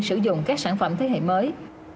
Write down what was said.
sử dụng các sản phẩm thế hệ mới